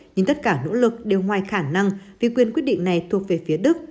nhưng tất cả nỗ lực đều ngoài khả năng vì quyền quyết định này thuộc về phía đức